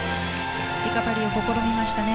リカバリーを試みましたね。